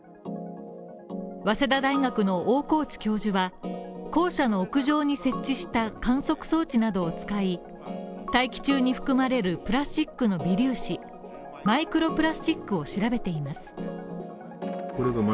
早稲田大学の大河内教授は校舎の屋上に設置した観測装置などを使い、大気中に含まれるプラスチックの微粒子マイクロプラスチックを調べています。